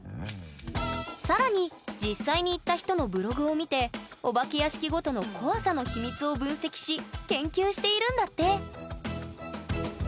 更に実際に行った人のブログを見てお化け屋敷ごとの怖さの秘密を分析し研究しているんだって！